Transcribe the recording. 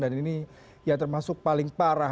dan ini ya termasuk paling parah